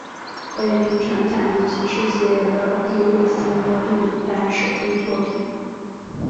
为平成假面骑士系列的第六系列录影带首映作品。